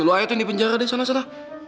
lu ayo tuh ini penjara deh sana sana